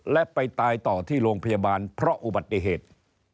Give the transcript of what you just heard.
และไปตายต่อที่โรงพยาบาลเพราะอุบัติเหตุ